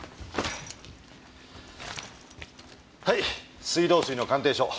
はい水道水の鑑定書。